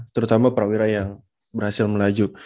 terutama perwira yang berhasil melaju